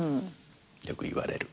よくいわれる。